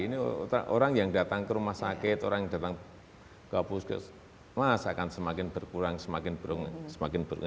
ini orang yang datang ke rumah sakit orang yang datang ke puskesmas akan semakin berkurang semakin berkurang